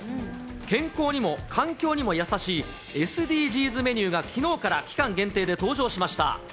健康にも環境にも優しい、ＳＤＧｓメニューが、きのうから期間限定で登場しました。